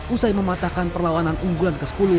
usai mematahkan perlawanan unggulan ke sepuluh